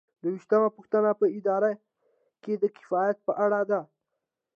دوه ویشتمه پوښتنه په اداره کې د کفایت په اړه ده.